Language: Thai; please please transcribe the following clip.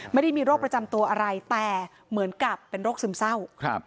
ไม่ได้มีโรคประจำตัวอะไรแต่เหมือนกับเป็นโรคซึมเศร้า